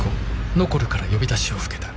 ノコルから呼び出しを受けた